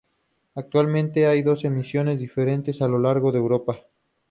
Actualmente, hay dos emisiones diferentes a lo largo de Europa.